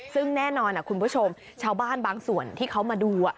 ซึ่งแน่นอนคุณผู้ชมชาวบ้านบางส่วนที่เขามาดู